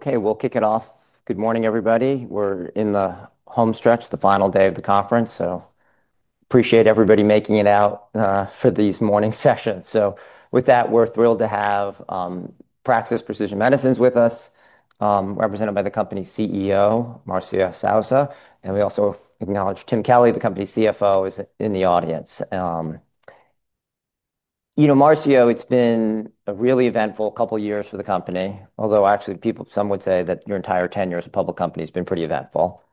Okay, we'll kick it off. Good morning, everybody. We're in the home stretch, the final day of the conference. I appreciate everybody making it out for these morning sessions. With that, we're thrilled to have Praxis Precision Medicines with us, represented by the company's CEO, Marcio Souza. We also acknowledge Tim Kelly, the company's CFO, is in the audience. Marcio, it's been a really eventful couple of years for the company, although actually, some would say that your entire 10 years of public company has been pretty eventful.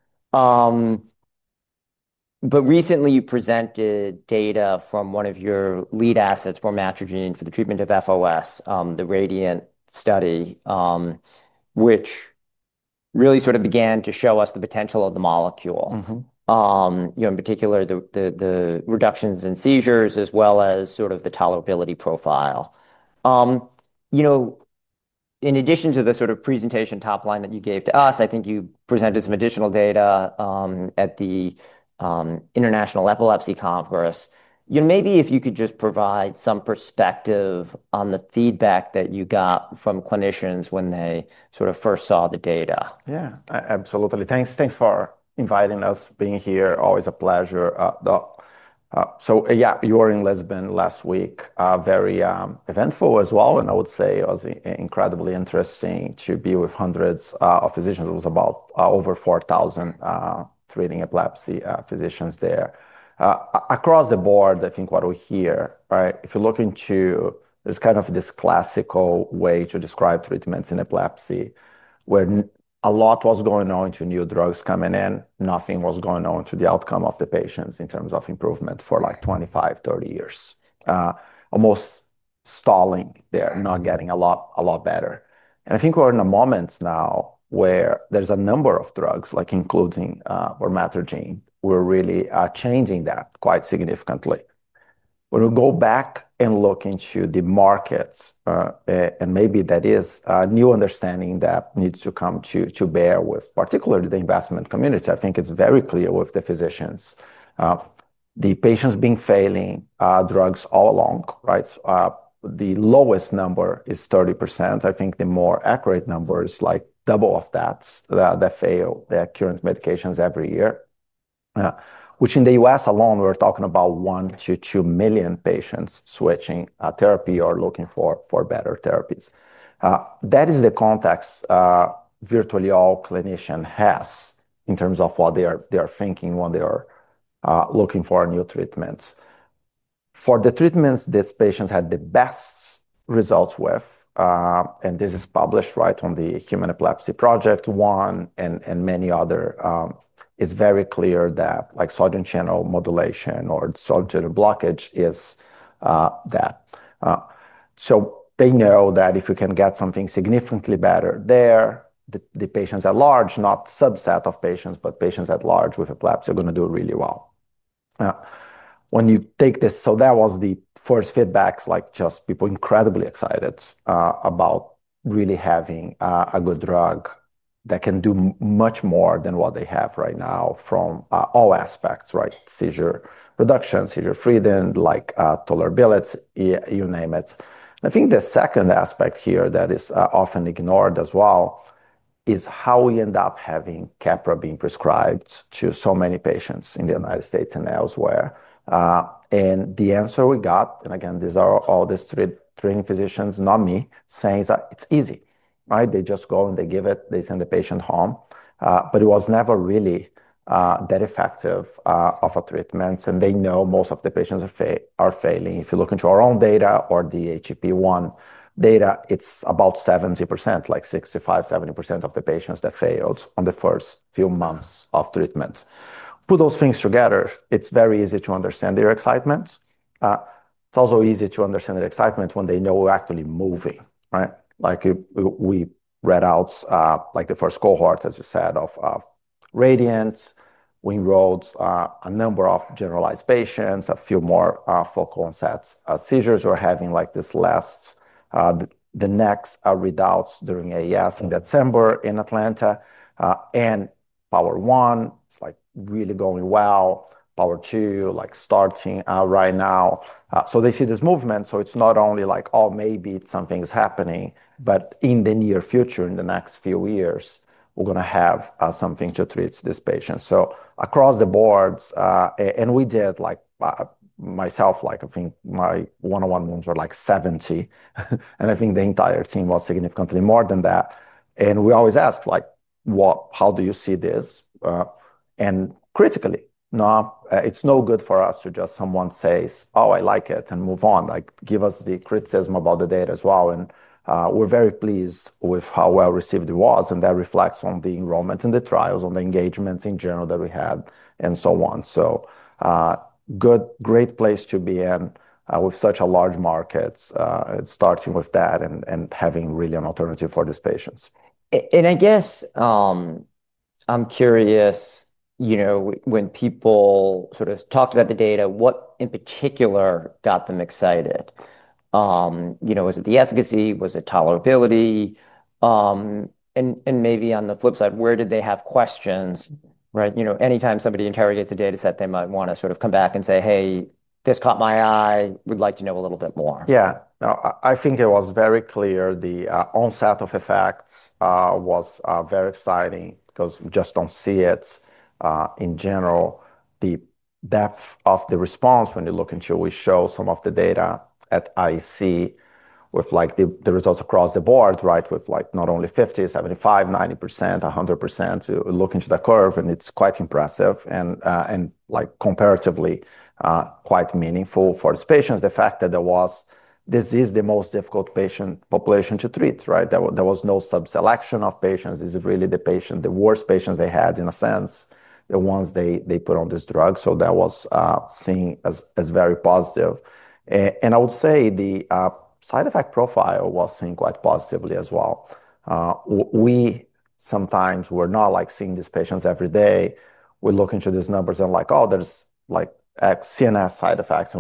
Recently you presented data from one of your lead assets, vormatrigene, for the treatment of FOS, the RADIANT study, which really sort of began to show us the potential of the molecule. In particular, the reductions in seizures as well as sort of the tolerability profile. In addition to the sort of presentation top line that you gave to us, I think you presented some additional data at the International Epilepsy Congress. Maybe if you could just provide some perspective on the feedback that you got from clinicians when they sort of first saw the data. Yeah, absolutely. Thanks. Thanks for inviting us. Being here, always a pleasure. You were in Lisbon last week, very eventful as well. I would say it was incredibly interesting to be with hundreds of physicians. It was about over 4,000 treating epilepsy physicians there. Across the board, I think what we hear, right, if you look into this kind of this classical way to describe treatments in epilepsy, where a lot was going on to new drugs coming in, nothing was going on to the outcome of the patients in terms of improvement for like 25, 30 years, almost stalling there, not getting a lot, a lot better. I think we're in a moment now where there's a number of drugs, like including, or vormatrigene, we're really changing that quite significantly. When we go back and look into the markets, and maybe that is a new understanding that needs to come to bear with particularly the investment community. I think it's very clear with the physicians, the patients being failing, drugs all along, right? The lowest number is 30%. I think the more accurate number is like double of that, that fail their current medications every year, which in the U.S. alone, we're talking about 1-2 million patients switching therapy or looking for better therapies. That is the context virtually all clinicians have in terms of what they are thinking when they are looking for new treatments. For the treatments these patients had the best results with, and this is published right on the Human Epilepsy Project 1 and many others, it's very clear that like sodium channel modulation or sodium channel blockage is that. They know that if you can get something significantly better there, the patients at large, not subset of patients, but patients at large with epilepsy are going to do really well. When you take this, that was the first feedback, like just people incredibly excited about really having a good drug that can do much more than what they have right now from all aspects, right? Seizure reduction, seizure freedom, tolerability, you name it. I think the second aspect here that is often ignored as well is how we end up having Keppra being prescribed to so many patients in the United States and elsewhere. The answer we got, and again, these are all these three trained physicians, not me, saying it's easy, right? They just go and they give it, they send the patient home, but it was never really that effective of a treatment. They know most of the patients are failing. If you look into our own data or the HEP1 data, it's about 70%, like 65%, 70% of the patients that failed on the first few months of treatment. Put those things together, it's very easy to understand their excitement. It's also easy to understand their excitement when they know we're actually moving, right? Like we read out, like the first cohort, as you said, of RADIANT, we wrote a number of generalized patients, a few more focal onset seizures you're having, like this last, the next readouts during AES in December in Atlanta. POWER1, it's like really going well. POWER2, like starting out right now. They see this movement. It's not only like, oh, maybe something's happening, but in the near future, in the next few years, we're going to have something to treat this patient. Across the board, and we did, myself, like I think my one-on-one ones were like 70, and I think the entire team was significantly more than that. We always asked, like, what, how do you see this? Critically, no, it's no good for us to just, someone says, oh, I like it and move on. Like, give us the criticism about the data as well. We're very pleased with how well received it was. That reflects on the enrollment in the trials, on the engagement in general that we had, and so on. Good, great place to be in, with such a large market, starting with that and having really an alternative for these patients. I'm curious, you know, when people sort of talked about the data, what in particular got them excited? You know, was it the efficacy? Was it tolerability? On the flip side, where did they have questions? Right? You know, anytime somebody interrogates a data set, they might want to sort of come back and say, hey, this caught my eye, we'd like to know a little bit more. Yeah, no, I think it was very clear the onset of effects was very exciting because we just don't see it, in general. The depth of the response when you look into, we show some of the data at IEC with the results across the board, right, with not only 50%, 75%, 90%, 100%. You look into the curve and it's quite impressive and, like comparatively, quite meaningful for these patients. The fact that this is the most difficult patient population to treat, right? There was no sub-selection of patients. This is really the patient, the worst patients they had in a sense, the ones they put on this drug. That was seen as very positive. I would say the side effect profile was seen quite positively as well. We sometimes were not seeing these patients every day. We look into these numbers and, like, oh, there's CNS side effects.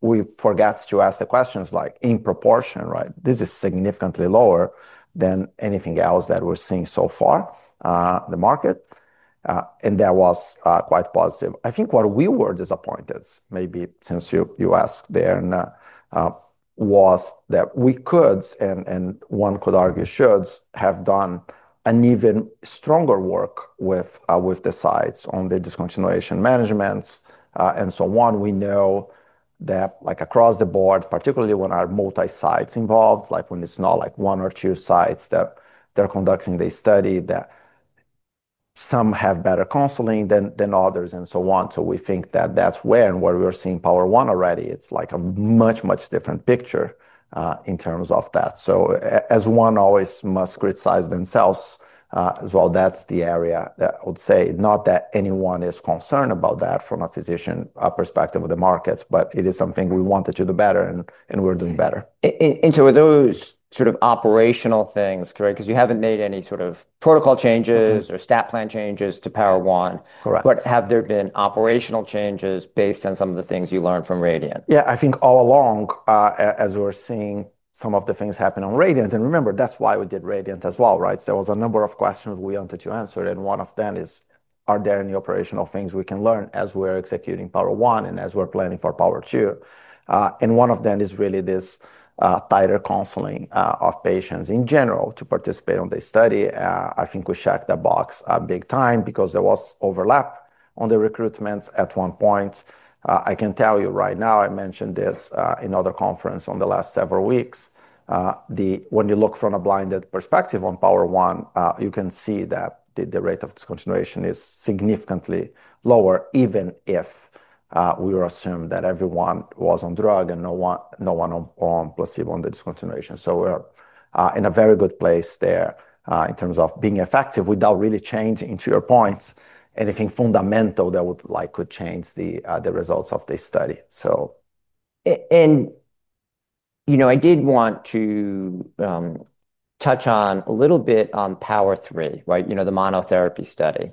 We forgot to ask the questions like in proportion, right? This is significantly lower than anything else that we're seeing so far in the market. That was quite positive. I think what we were disappointed, maybe since you asked there, was that we could, and one could argue should have done an even stronger work with the sites on the discontinuation management, and so on. We know that across the board, particularly when multi-sites are involved, like when it's not one or two sites that are conducting the study, that some have better counseling than others and so on. We think that's where we were seeing POWER1 already. It's a much, much different picture in terms of that. As one always must criticize themselves as well, that's the area that I would say not that anyone is concerned about that from a physician perspective or the markets, but it is something we wanted to do better and we're doing better. With those sort of operational things, right, because you haven't made any sort of protocol changes or stat plan changes to POWER1, correct, have there been operational changes based on some of the things you learned from RADIANT? Yeah, I think all along, as we were seeing some of the things happen on RADIANT, and remember that's why we did RADIANT as well, right? There was a number of questions we wanted to answer, and one of them is, are there any operational things we can learn as we're executing POWER1 and as we're planning for POWER2? One of them is really this, tighter counseling of patients in general to participate on this study. I think we checked that box big time because there was overlap on the recruitments at one point. I can tell you right now, I mentioned this in another conference in the last several weeks. When you look from a blinded perspective on POWER1, you can see that the rate of discontinuation is significantly lower, even if we assumed that everyone was on drug and no one, no one on placebo on the discontinuation. We're in a very good place there, in terms of being effective without really changing, to your point, anything fundamental that could change the results of this study. I did want to touch on POWER3, right? The monotherapy study.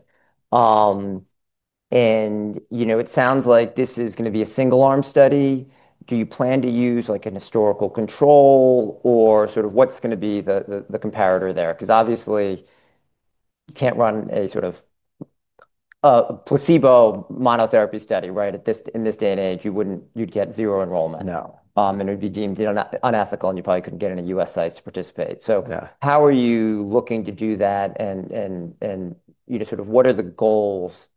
It sounds like this is going to be a single arm study. Do you plan to use a historical control or what's going to be the comparator there? Obviously, you can't run a placebo monotherapy study, right? In this day and age, you wouldn't, you'd get zero enrollment. No. It would be deemed unethical and you probably couldn't get any U.S. sites to participate. How are you looking to do that, and what are the goals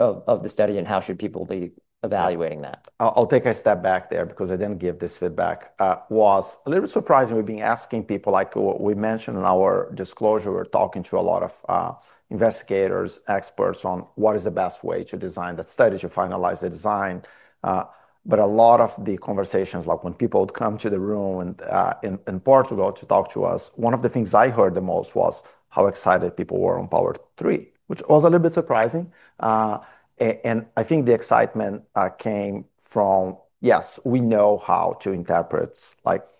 of the study and how should people be evaluating that? I'll take a step back there because I didn't give this feedback. It was a little bit surprising. We've been asking people, like what we mentioned in our disclosure, we're talking to a lot of investigators, experts on what is the best way to design that study, to finalize the design. A lot of the conversations, like when people would come to the room in Portugal to talk to us, one of the things I heard the most was how excited people were on POWER3, which was a little bit surprising. I think the excitement came from, yes, we know how to interpret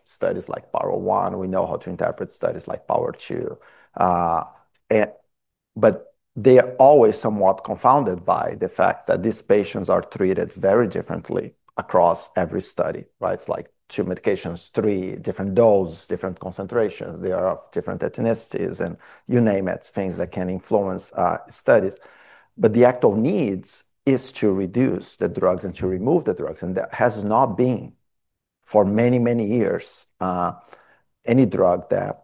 studies like POWER1, we know how to interpret studies like POWER2, but they are always somewhat confounded by the fact that these patients are treated very differently across every study, right? Like two medications, three different doses, different concentrations, they are of different ethnicities, and you name it, things that can influence studies. The actual need is to reduce the drugs and to remove the drugs, and that has not been for many, many years, any drug that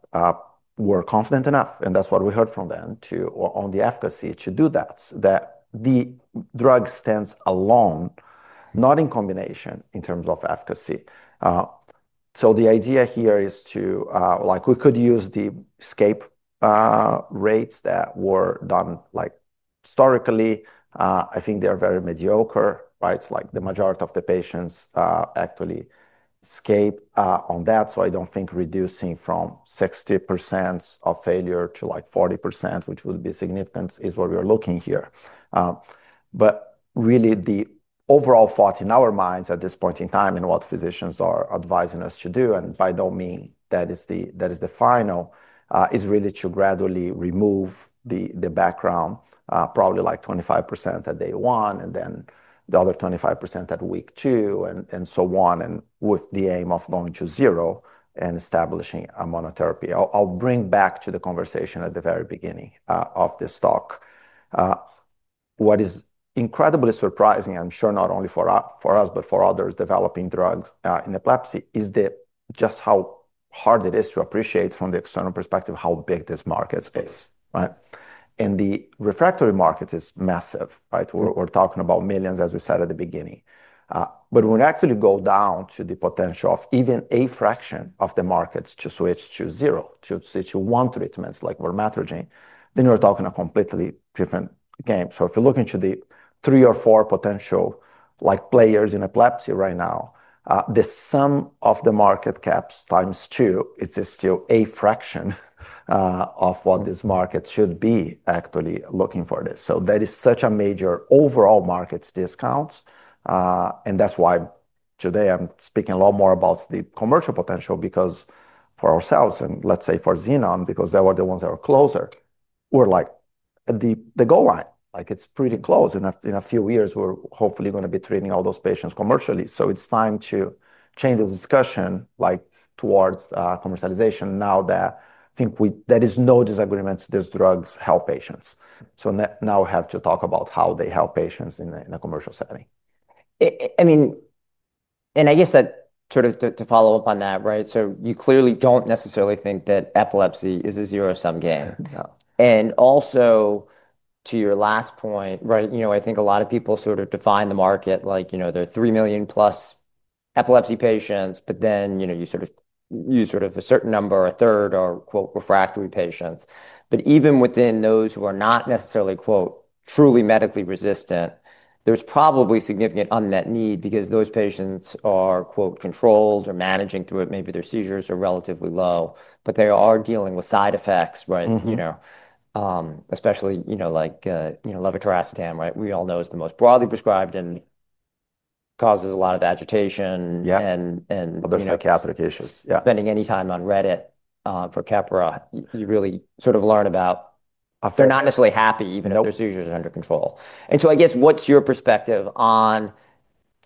we're confident enough, and that's what we heard from them, on the efficacy to do that, that the drug stands alone, not in combination in terms of efficacy. The idea here is to, like we could use the escape rates that were done historically. I think they're very mediocre. The majority of the patients actually escape on that. I don't think reducing from 60% of failure to 40%, which would be significant, is what we're looking at here. Really, the overall thought in our minds at this point in time and what physicians are advising us to do, and by no means that is the final, is really to gradually remove the background, probably like 25% at day one and then the other 25% at week two and so on, with the aim of going to zero and establishing a monotherapy. I'll bring back to the conversation at the very beginning of this talk. What is incredibly surprising, I'm sure not only for us but for others developing drugs in epilepsy, is just how hard it is to appreciate from the external perspective how big this market is, right? The refractory market is massive, right? We're talking about millions, as we said at the beginning. When we actually go down to the potential of even a fraction of the markets to switch to zero, to switch to one treatment like with vormatrigene, then we're talking a completely different game. If you're looking to the three or four potential players in epilepsy right now, the sum of the market caps times two is still a fraction of what this market should be actually looking for. That is such a major overall market discount, and that's why today I'm speaking a lot more about the commercial potential because for ourselves and let's say for Xenon, because they were the ones that were closer, we're like at the goal line, like it's pretty close. In a few years, we're hopefully going to be treating all those patients commercially. It's time to change the discussion towards commercialization now that I think there is no disagreement these drugs help patients. Now we have to talk about how they help patients in a commercial setting. I guess that sort of follows up on that, right? You clearly don't necessarily think that epilepsy is a zero-sum game. Also, to your last point, I think a lot of people sort of define the market like there are +3 million epilepsy patients, but then you sort of use a certain number, a third are "refractory patients." Even within those who are not necessarily "truly medically resistant," there's probably significant unmet need because those patients are "controlled" or managing through it. Maybe their seizures are relatively low, but they are dealing with side effects, especially, like levetiracetam, right? We all know it's the most broadly prescribed and causes a lot of agitation. Yeah, there's no catheter adhesions. Yeah. Spending any time on Reddit, for Keppra, you really sort of learn about if they're not necessarily happy, even if their seizures are under control. I guess what's your perspective on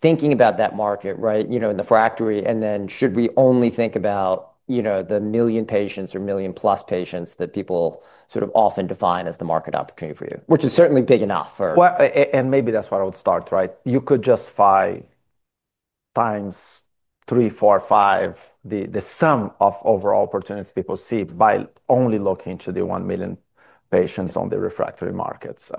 thinking about that market, right? You know, in the refractory, and then should we only think about, you know, the million patients or million plus patients that people sort of often define as the market opportunity for you, which is certainly big enough for. Maybe that's what I would start, right? You could justify times three, four, five, the sum of overall opportunities people see by only looking to the 1 million patients on the refractory markets.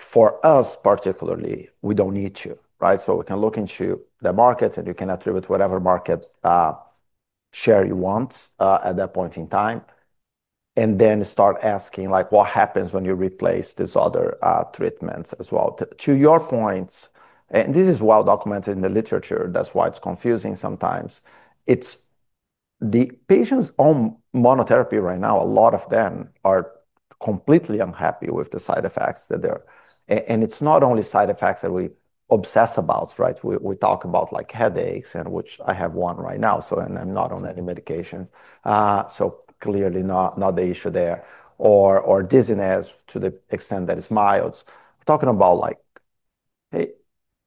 For us particularly, we don't need to, right? We can look into the markets and you can attribute whatever market share you want at that point in time, and then start asking what happens when you replace these other treatments as well. To your points, and this is well documented in the literature, that's why it's confusing sometimes. It's the patients on monotherapy right now, a lot of them are completely unhappy with the side effects that they're, and it's not only side effects that we obsess about, right? We talk about headaches, and which I have one right now, so, and I'm not on any medication, so clearly not the issue there, or dizziness to the extent that it's mild. Talking about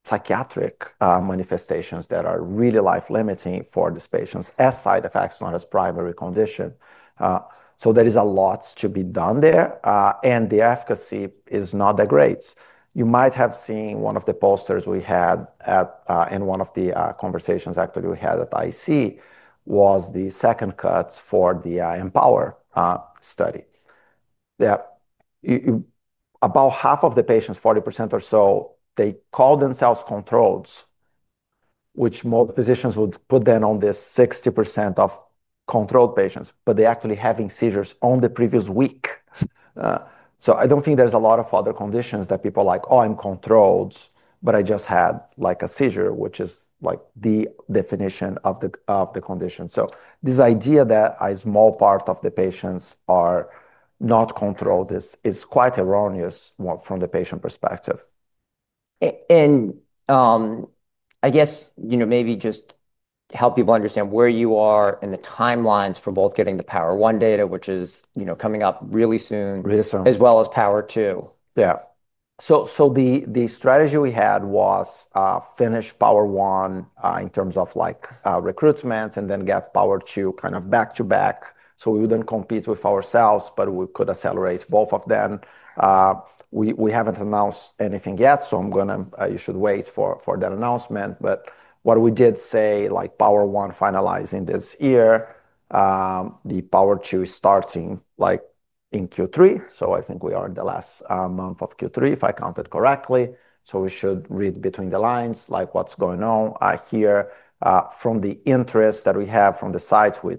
psychiatric manifestations that are really life-limiting for these patients as side effects, not as primary condition. There is a lot to be done there, and the efficacy is not that great. You might have seen one of the posters we had at, and one of the conversations actually we had at the IEC was the second cuts for the POWER1 study. About half of the patients, 40% or so, they call themselves controlled, which most physicians would put them on this 60% of controlled patients, but they're actually having seizures on the previous week. I don't think there's a lot of other conditions that people are like, oh, I'm controlled, but I just had a seizure, which is like the definition of the condition. This idea that a small part of the patients are not controlled is quite erroneous from the patient perspective. I guess, you know, maybe just help people understand where you are and the timelines for both getting the POWER1 data, which is, you know, coming up really soon. Really soon. As well as POWER2. Yeah. The strategy we had was, finish POWER1 in terms of recruitment and then get POWER2 kind of back to back. We wouldn't compete with ourselves, but we could accelerate both of them. We haven't announced anything yet, so you should wait for that announcement. What we did say, like POWER1 finalizing this year, POWER2 is starting like in Q3. I think we are in the last month of Q3, if I counted correctly. You should read between the lines, like what's going on here, from the interest that we have from the sites. We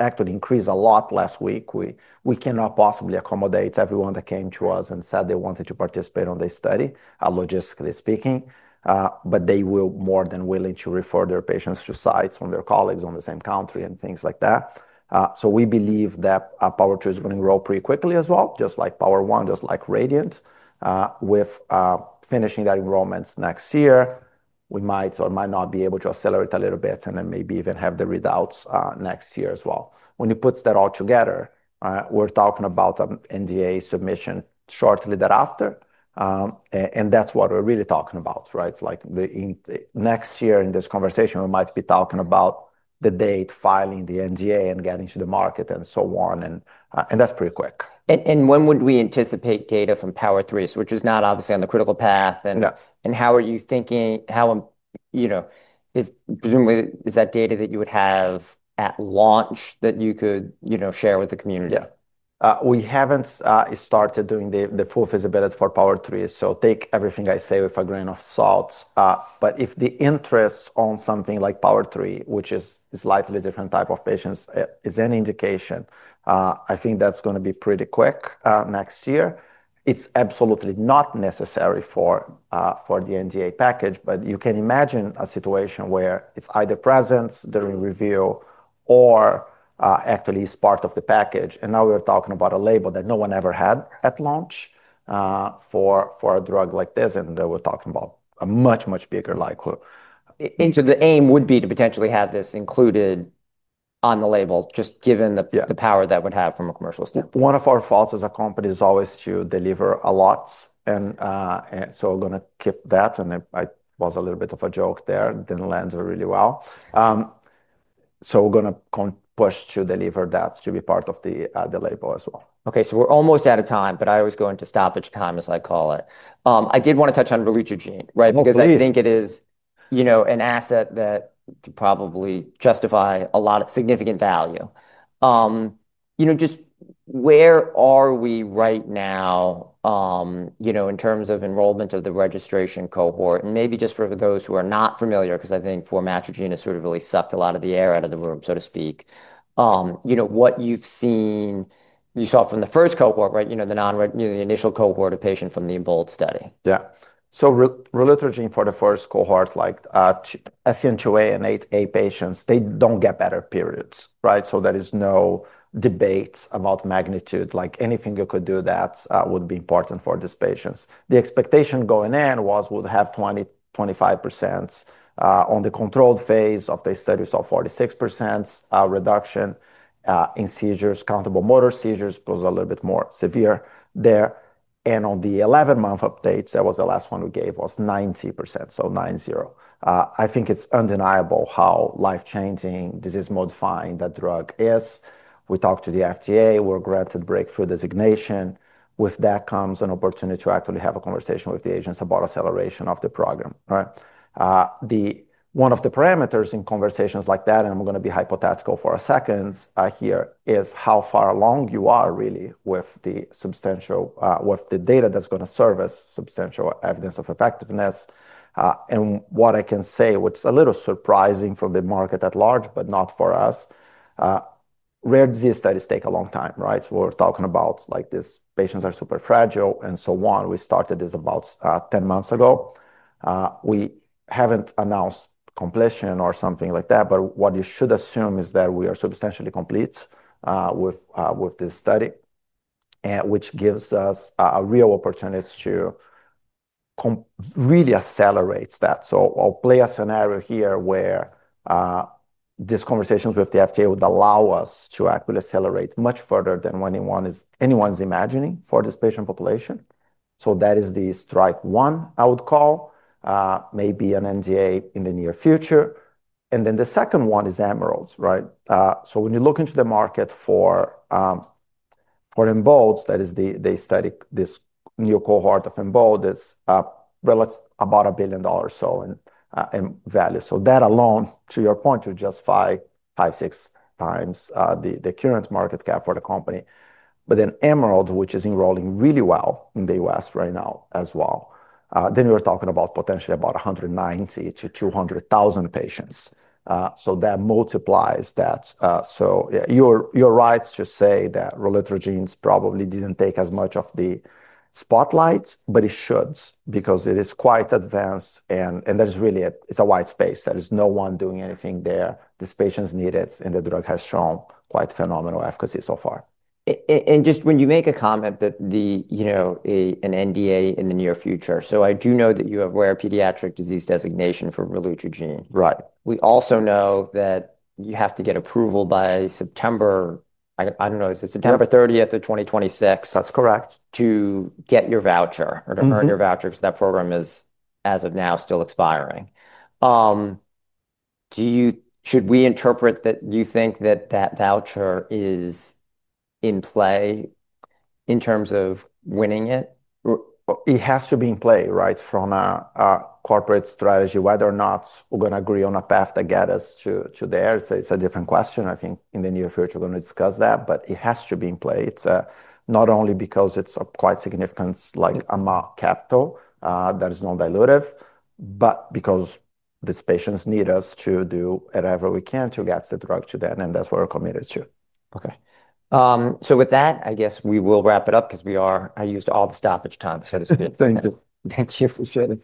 actually increased a lot last week. We cannot possibly accommodate everyone that came to us and said they wanted to participate on this study, logistically speaking, but they were more than willing to refer their patients to sites from their colleagues in the same country and things like that. We believe that POWER2 is going to grow pretty quickly as well, just like POWER1, just like RADIANT. With finishing that enrollment next year, we might or might not be able to accelerate a little bit and then maybe even have the readouts next year as well. When you put that all together, we're talking about an NDA submission shortly thereafter. That's what we're really talking about, right? The next year in this conversation, we might be talking about the date filing the NDA and getting to the market and so on. That's pretty quick. When would we anticipate data from POWER3, which is not obviously on the critical path? How are you thinking, is that data that you would have at launch that you could share with the community? We haven't started doing the full feasibility for POWER3, so take everything I say with a grain of salt. If the interest on something like POWER3, which is a slightly different type of patients, is any indication, I think that's going to be pretty quick, next year. It's absolutely not necessary for the NDA package, but you can imagine a situation where it's either present during review or actually is part of the package. Now we're talking about a label that no one ever had at launch for a drug like this. We're talking about a much, much bigger likelihood. The aim would be to potentially have this included on the label, just given the power that would have from a commercial standpoint. One of our faults as a company is always to deliver a lot. We're going to keep that. It was a little bit of a joke there. It didn't land really well, so we're going to push to deliver that to be part of the label as well. Okay, so we're almost out of time, but I always go into stoppage time, as I call it. I did want to touch on Relutrigine, right? Because I think it is, you know, an asset that could probably justify a lot of significant value. Just where are we right now in terms of enrollment of the registration cohort? And maybe just for those who are not familiar, because I think vormatrigene has sort of really sucked a lot of the air out of the room, so to speak. What you've seen, you saw from the first cohort, right? You know, the non-red, the initial cohort of patients from the Ebola study. Yeah. So Relutrigine for the first cohort, like SCN2A and 8A patients, they don't get better periods, right? There is no debate about magnitude. Like anything you could do that would be important for these patients. The expectation going in was we would have 20%, 25% on the controlled phase of the study, so 46% reduction in seizures, countable motor seizures, because a little bit more severe there. On the 11-month updates, that was the last one we gave, was 90%, so 9-0. I think it's undeniable how life-changing, disease-modifying that drug is. We talked to the FDA, we were granted breakthrough designation. With that comes an opportunity to actually have a conversation with the agency about acceleration of the program, right? One of the parameters in conversations like that, and I'm going to be hypothetical for a second, here is how far along you are really with the substantial, with the data that's going to serve as substantial evidence of effectiveness. What I can say, which is a little surprising for the market at large, but not for us, rare disease studies take a long time, right? We're talking about like these patients are super fragile and so on. We started this about 10 months ago. We haven't announced completion or something like that, but what you should assume is that we are substantially complete with this study, which gives us a real opportunity to really accelerate that. I'll play a scenario here where these conversations with the FDA would allow us to actually accelerate much further than anyone is imagining for this patient population. That is the strike one, I would call, maybe an NDA in the near future. The second one is EMERALD, right? When you look into the market for EMBOLD, that is the study, this new cohort of EMBOLD, it's about $1 billion or so in value. That alone, to your point, you justify five, six times the current market cap for the company. Then EMERALD, which is enrolling really well in the U.S. right now as well, we're talking about potentially about 190,000-200,000 patients, so that multiplies that. Yeah, you're right to say that Relutrigine probably didn't take as much of the spotlight, but it should because it is quite advanced and there's really, it's a white space. There is no one doing anything there. These patients need it and the drug has shown quite phenomenal efficacy so far. When you make a comment that the, you know, an NDA in the near future, I do know that you have a pediatric disease designation for Relutrigine. Right. We also know that you have to get approval by September, I don't know if it's September 30th, 2026. That's correct. To get your voucher or to earn your voucher, because that program is as of now still expiring, do you, should we interpret that you think that that voucher is in play in terms of winning it? It has to be in play, right? From a corporate strategy, whether or not we're going to agree on a path to get us to there is a different question. I think in the near future we're going to discuss that, but it has to be in play. It's not only because it's quite significant, like a cap tool that is non-dilutive, but because these patients need us to do whatever we can to get the drug to them, and that's what we're committed to. Okay, with that, I guess we will wrap it up because we are, I used all the stoppage time, so to speak. Thank you. Thank you. Appreciate it.